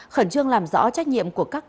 khẩn trương làm rõ trách nhiệm của các cá nhân